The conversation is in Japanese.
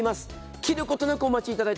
切ることなくお待ちいただいて。